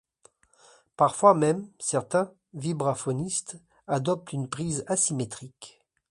Parfois même, certains vibraphonistes adoptent une prise asymétrique.